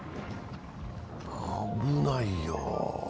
危ないよ。